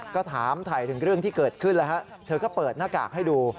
ก็ถามถ่ายถึงเรื่องที่เกิดขึ้นแล้วฮะเธอก็เปิดหน้ากากให้ดู